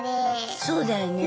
そうだよね。